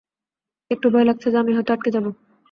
একটু ভয় লাগছে যে, আমি হয়তো আটকে যাব।